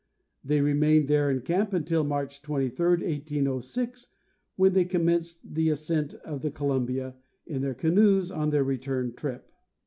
They re mained there in camp until March 23, 1806, when they com menced the ascent of the Columbia in their canoes on their return trip.